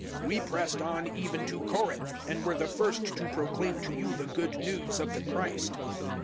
We pressed on even to Corinth, and were the first to proclaim to you the Good News of the Christ.